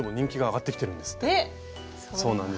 そうなんです。